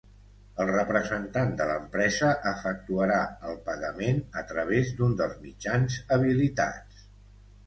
El representant de l'empresa efectuarà el pagament a través d'un dels mitjans habilitats.